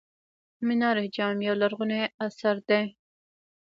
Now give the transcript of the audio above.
منار جام یو لرغونی اثر دی.